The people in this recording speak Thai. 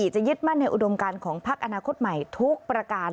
จะยึดมั่นในอุดมการของพักอนาคตใหม่ทุกประการ